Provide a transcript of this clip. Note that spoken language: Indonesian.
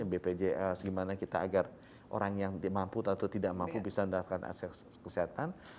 bpjs gimana kita agar orang yang mampu atau tidak mampu bisa mendapatkan akses kesehatan